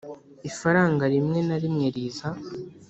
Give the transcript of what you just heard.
ifaranga rimwe na rimwe riza